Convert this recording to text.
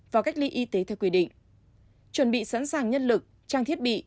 và cách ly y tế theo quy định chuẩn bị sẵn sàng nhân lực trang thiết bị